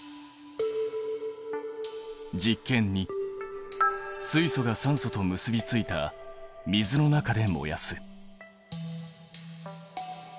実験２水素が酸素と結びついた水の中で燃やす。